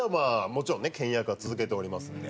もちろんね倹約は続けておりますんで。